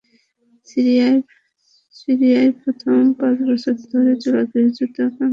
সিরিয়ায় প্রায় পাঁচ বছর ধরে চলা গৃহযুদ্ধে অন্তত আড়াই লাখ মানুষ নিহত হয়েছেন।